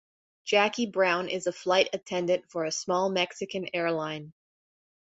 Jackie Brown is a flight attendant for a small Mexican airline.